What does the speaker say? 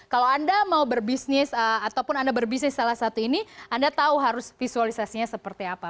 kalau anda mau berbisnis ataupun anda berbisnis salah satu ini anda tahu harus visualisasinya seperti apa